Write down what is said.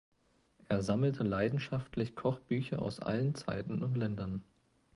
Er sammelte leidenschaftlich Kochbücher aus allen Zeiten und Ländern.